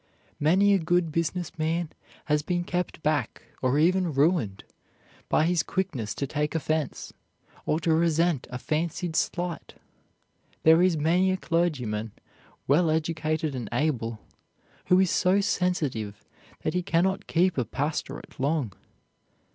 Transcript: Many a good business man has been kept back, or even ruined, by his quickness to take offense, or to resent a fancied slight. There is many a clergyman, well educated and able, who is so sensitive that he can not keep a pastorate long.